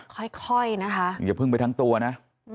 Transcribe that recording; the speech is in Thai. ค่อยนะคะอย่าพึ่งไปทั้งตัวนะ